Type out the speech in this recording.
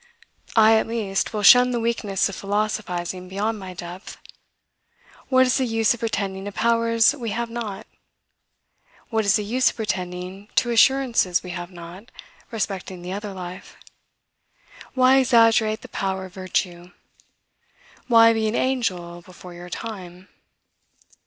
I, at least, will shun the weakness of philosophizing beyond my depth. What is the use of pretending to powers we have not? What is the use of pretending to assurances we have not, respecting the other life? Why exaggerate the power of virtue? Why be an angel before your time?